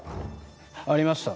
ありました。